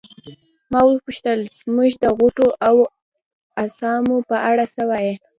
ما وپوښتل زموږ د غوټو او اسامو په اړه څه وایې.